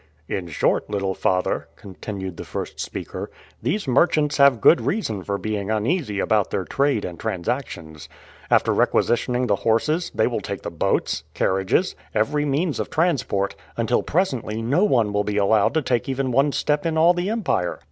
"In short, little father," continued the first speaker, "these merchants have good reason for being uneasy about their trade and transactions. After requisitioning the horses, they will take the boats, carriages, every means of transport, until presently no one will be allowed to take even one step in all the empire."